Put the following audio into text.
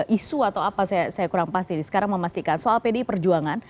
isu atau apa saya kurang pasti sekarang memastikan soal pdi perjuangan